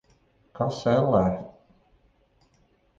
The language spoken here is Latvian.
Kas, ellē?